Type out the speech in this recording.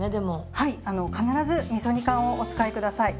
はいあの必ずみそ煮缶をお使い下さい。